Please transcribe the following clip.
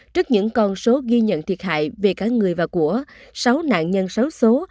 trước những con số ghi nhận thiệt hại về cả người và của sáu nạn nhân sấu số